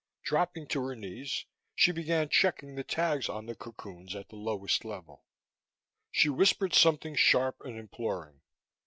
Dropping to her knees, she began checking the tags on the cocoons at the lowest level. She whispered something sharp and imploring.